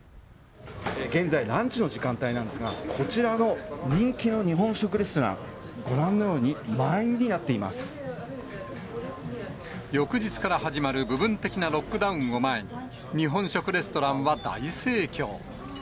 現在、ランチの時間帯なんですが、こちらの人気の日本食レストラン、ご覧のように、満員になっていま翌日から始まる部分的なロックダウンを前に、日本食レストランは大盛況。